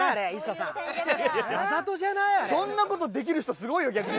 そんなことできる人すごいよ逆に。